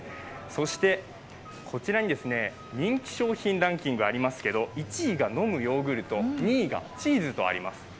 そして、こちらに人気商品ランキングがありますけれども、１位がのむヨーグルト、２位がチーズとあります。